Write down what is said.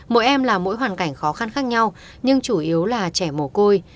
mỗi em là mỗi hoàn cảnh khó khăn khác nhau nhưng chủ yếu là trẻ mồ côi